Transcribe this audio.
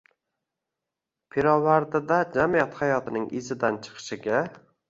Pirovardida jamiyat hayotining izidan chiqishiga